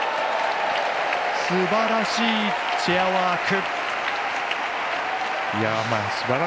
すばらしいチェアワーク！